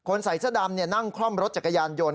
ใส่เสื้อดำนั่งคล่อมรถจักรยานยนต